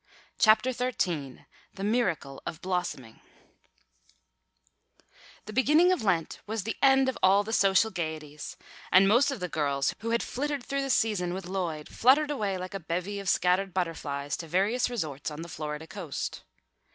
CHAPTER XIII THE MIRACLE OF BLOSSOMING THE beginning of Lent was the end of all the social gaieties and most of the girls who had flittered through the season with Lloyd fluttered away like a bevy of scattered butterflies to various resorts on the Florida coast.